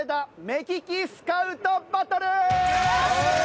目利きスカウトバトル！